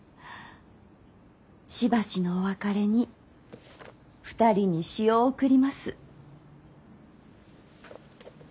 しばしのお別れに２人に詩を贈ります。